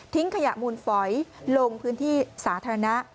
ขยะมูลฝอยลงพื้นที่สาธารณะ